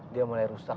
dia mulai rusak